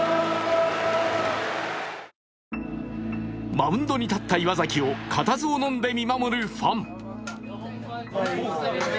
マウンドに立った岩崎を固唾をのんで見守るファン。